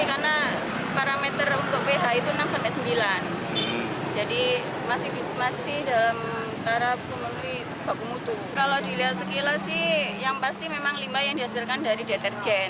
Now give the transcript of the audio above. kalau dilihat sekilas yang pasti memang limbah yang dihasilkan dari deterjen